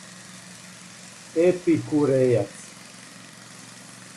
епикурејац